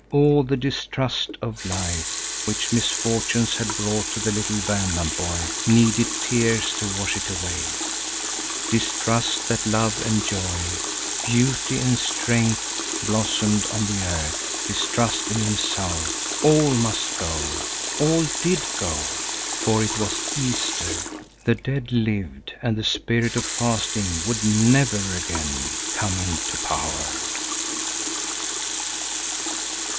All the distrust of life which misfortunes had brought to the little Värmland boy needed tears to wash it away. Distrust that love and joy, beauty and strength blossomed on the earth, distrust in himself, all must go, all did go, for it was Easter; the dead lived and the Spirit of Fasting would never again come into power.